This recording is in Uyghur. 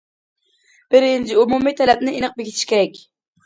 بىرىنچى، ئومۇمىي تەلەپنى ئېنىق بېكىتىش كېرەك.